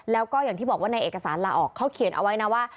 แล้วก็อย่างที่บอกว่าในเอกสารลาออกเขาเขียนเอาไว้นะว่า